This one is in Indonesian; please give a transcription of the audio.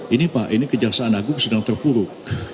ini kejaksaan agung sedang terpuruk